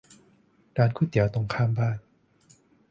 ร้านก๋วยเตี๋ยวตรงข้ามบ้าน